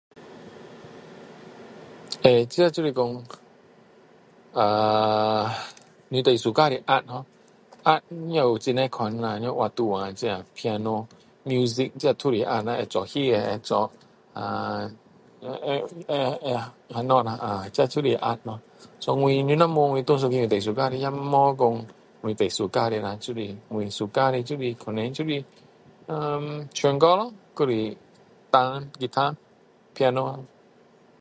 呃这就是讲啊你最喜欢的art哦art也有很多款啦也有画图画这piano music这都是art若会做戏啊做呃会会会会那个呃这就是art咯so我你若问我哪一个最喜欢的也没讲我最喜欢的啦就来我喜欢的就是就是可能呃唱歌咯或者弹吉他piano